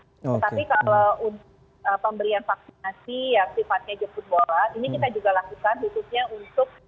tapi kalau pemberian vaksinasi yang sifatnya jeput borat ini kita juga lakukan untuk